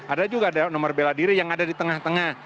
ada juga nomor bela diri yang ada di tengah tengah